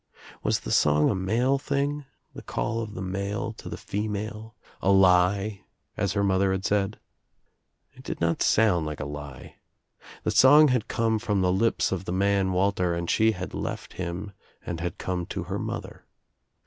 Was the song a male thing, the call of the male to the female, a lie, as her mother had said? It did not OUT OF NOWHERE INTO NOTHING 263' sound like a lie. The song had come from the lips of the man Walter and she had left him and had come to her mother.